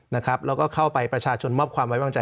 แล้วก็เข้าไปประชาชนมอบความไว้วางใจ